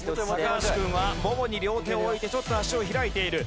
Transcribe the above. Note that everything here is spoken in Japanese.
橋君はももに両手を置いてちょっと足を開いている。